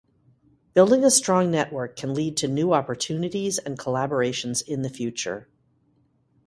Building a strong network can lead to new opportunities and collaborations in the future.